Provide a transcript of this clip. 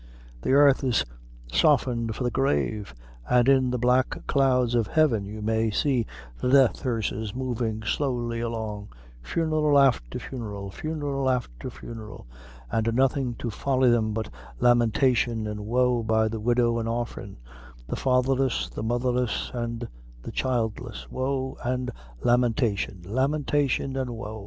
The airth is softened for the grave, an' in the black clouds of heaven you may see the death hearses movin' slowly along funeral afther funeral funeral afther funeral an' nothing to folly them but lamentation an' wo, by the widow an' orphan the fatherless, the motherless, an' the childless wo an' lamentation lamentation an' wo."